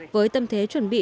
với tâm thế chuẩn bị